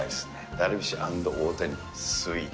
ダルビッシュ＆大谷スイート。